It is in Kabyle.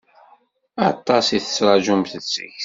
Aṭas i tettṛaǧumt seg-s.